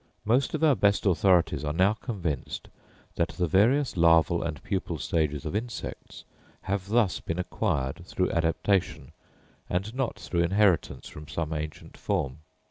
Most of our best authorities are now convinced that the various larval and pupal stages of insects have thus been acquired through adaptation, and not through inheritance from some ancient form.